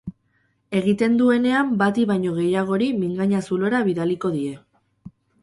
Egiten duenean bati baino gehiagori mingaina zulora bidaliko die.